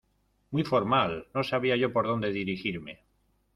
¡Muy formal! no sabía yo por dónde dirigirme.